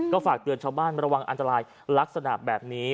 ก็ฝากเตือนชาวบ้านระวังอันตรายลักษณะแบบนี้